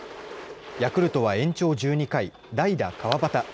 ヤクルトは、延長１２回代打川端。